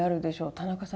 田中さん